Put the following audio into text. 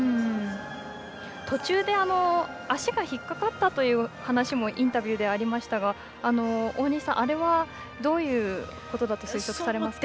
途中で、足が引っ掛かったという話もインタビューでありましたが大西さん、あれはどういうことだと推測されますか？